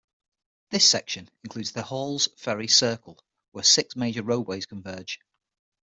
This section includes the Halls Ferry Circle, where six major roadways converge.